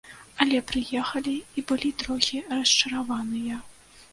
Але прыехалі і былі трохі расчараваныя.